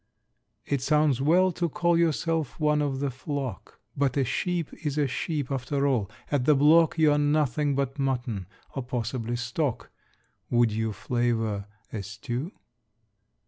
It sounds well to call yourself "one of the flock," But a sheep is a sheep after all. At the block You're nothing but mutton, or possibly stock. Would you flavor a stew?